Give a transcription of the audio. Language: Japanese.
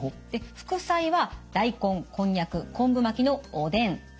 で副菜は大根こんにゃく昆布巻きのおでん。